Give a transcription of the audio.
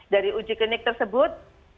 dari uji klinik tersebut